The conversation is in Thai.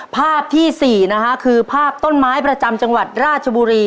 ภาพที่๔นะคะคือภาพต้นไม้ประจำจังหวัดราชบุรี